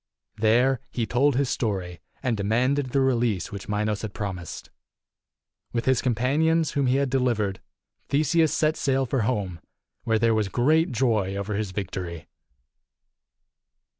There he told his story, and demanded the release which Minos had promised. With his companions whom he had delivered, Theseus set sail for home, where there was great joy over his victory.